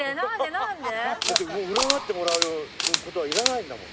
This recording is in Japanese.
だってもう占ってもらうことはいらないんだもんだって。